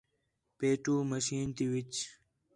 پیٹھو مشین تی وِچ